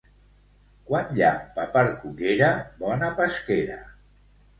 Quan llampa per Cullera, bona pesquera.